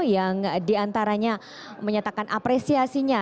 yang diantaranya menyatakan apresiasinya